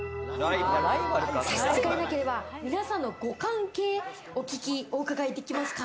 差し支えなければ、皆さんのご関係をお伺いできますか？